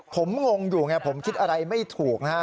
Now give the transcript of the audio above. ผมงงอยู่ไงผมคิดอะไรไม่ถูกนะฮะ